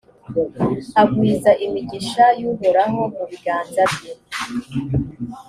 agwiza imigisha y’uhoraho mu biganza bye.